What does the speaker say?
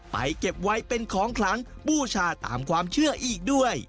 เก็บไว้เป็นของขลังบูชาตามความเชื่ออีกด้วย